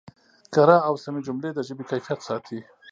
کره او سمې جملې د ژبې کیفیت ساتي.